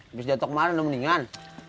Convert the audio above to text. abis jatuh kemarin udah mendingan